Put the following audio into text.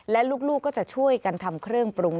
และลูกก็จะช่วยกันทำเครื่องปรุง